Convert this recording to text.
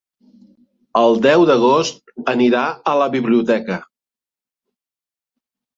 El deu d'agost anirà a la biblioteca.